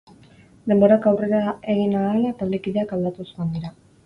Denborak aurrea egin ahala, taldekideak aldatuz joan dira.